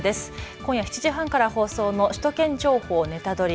今夜７時半から放送の首都圏情報ネタドリ！